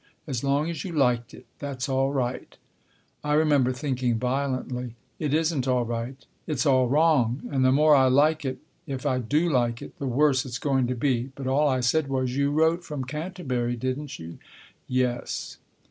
As long as you liked it, that's all right." I remember thinking violently : "It isn't all right. It's all wrong. And the more I like it (if I do like it) the worse it's going to be." But all I said was, " You wrote from Canterbury, didn't you ?"" Yes."